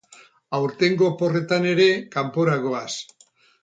Aurtengo oporretan ere kanpora goaz